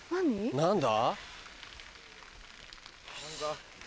何だ？